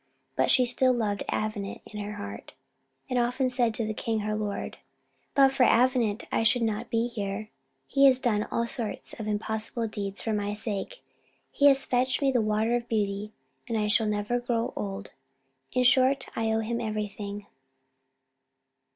But she still loved Avenant in her heart, and often said to the king her lord "But for Avenant I should not be here; he has done all sorts of impossible deeds for my sake; he has fetched me the water of beauty, and I shall never grow old in short, I owe him everything."